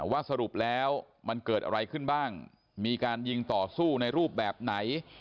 สรุปแล้วมันเกิดอะไรขึ้นบ้างมีการยิงต่อสู้ในรูปแบบไหน